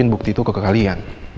bukti itu ke kalian